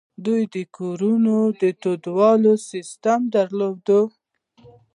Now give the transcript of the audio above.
دوی د کورونو د تودولو سیستم درلود